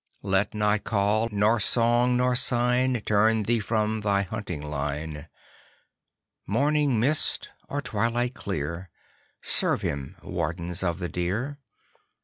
Let nor call nor song nor sign Turn thee from thy hunting line. (Morning mist or twilight clear, Serve him, Wardens of the Deer!)